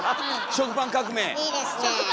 食パン革命！